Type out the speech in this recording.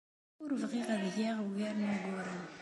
Ur bɣiɣ ad d-geɣ ugar n wuguren.